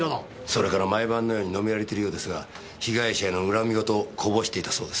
それから毎晩のように飲み歩いてるようですが被害者への恨み言をこぼしていたそうです。